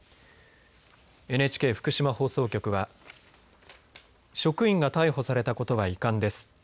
ＮＨＫ福島放送局は職員が逮捕されたことは遺憾です。